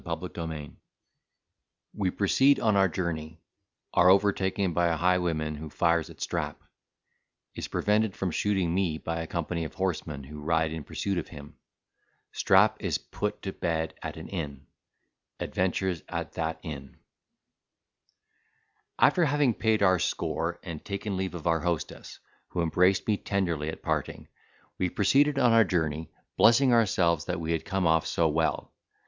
CHAPTER IX We proceed on our Journey—are overtaken by a Highwayman who fires at Strap—is prevented from shooting me by a Company of Horsemen, who ride in pursuit of him—Strap is put to Bed at an Inn—Adventures at that Inn After having paid our score and taken leave of our hostess, who embraced me tenderly at parting, we proceeded on our journey, blessing ourselves that we had come off so well.